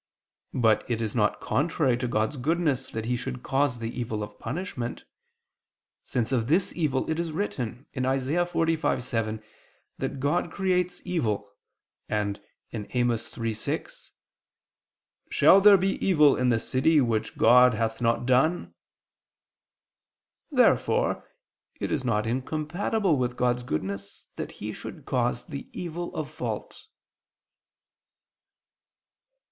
But it is not contrary to God's goodness that He should cause the evil of punishment; since of this evil it is written (Isa. 45:7) that God creates evil, and (Amos 3:6): "Shall there be evil in the city which God [Vulg.: 'the Lord'] hath not done?" Therefore it is not incompatible with God's goodness that He should cause the evil of fault.